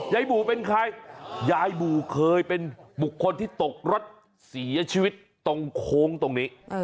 บู่เป็นใครยายบู่เคยเป็นบุคคลที่ตกรถเสียชีวิตตรงโค้งตรงนี้